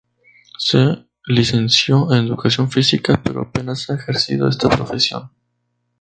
Se licenció en Educación Física, pero apenas ha ejercido esta profesión.